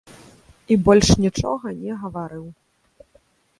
І больш нічога не гаварыў.